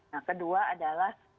nah kedua adalah